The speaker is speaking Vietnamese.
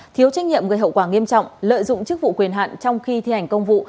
thiếu trách nhiệm gây hậu quả nghiêm trọng lợi dụng chức vụ quyền hạn trong khi thi hành công vụ